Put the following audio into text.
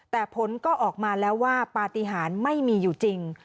แต่ผลก็ออกมาแล้วว่าปฏิหารไม่มีอยู่จริง